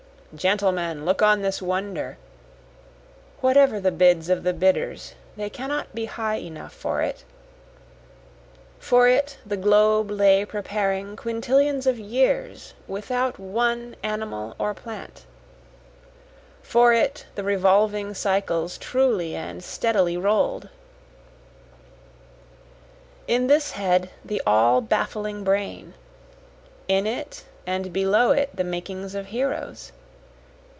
Gentlemen look on this wonder, Whatever the bids of the bidders they cannot be high enough for it, For it the globe lay preparing quintillions of years without one animal or plant, For it the revolving cycles truly and steadily roll'd. In this head the all baffling brain, In it and below it the makings of heroes.